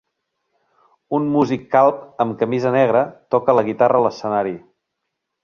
Un músic calb amb camisa negra toca la guitarra a l'escenari.